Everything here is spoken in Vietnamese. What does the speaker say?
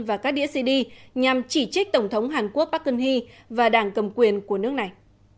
và các đĩa cd nhằm chỉ trích tổng thống hàn quốc park geun hee và đảng cầm quyền của nước này